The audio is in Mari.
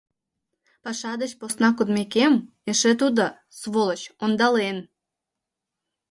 Паша деч посна кодмекем эше тудо, сволочь, ондален.